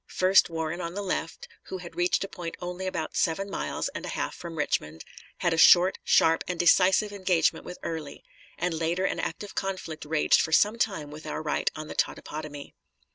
First Warren on the left, who had reached a point only about seven miles and a half from Richmond, had a short, sharp, and decisive engagement with Early; and later an active conflict raged for some time with our right on the Totopotomoy.